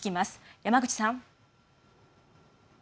山口さん。